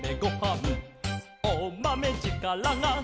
「おまめぢからが」